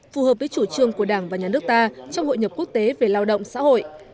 phù hợp với chủ trương của đảng và nhà nước ta trong hội nhập quốc tế về lao động xã hội